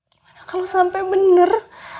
gimana kalau sampai benar